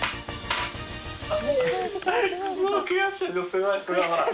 すごいすごい。